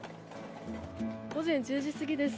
午前１０時過ぎです。